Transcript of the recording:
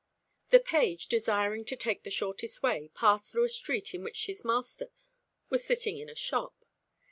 The page, desiring to take the shortest way, passed through a street in which his master was sitting in a shop.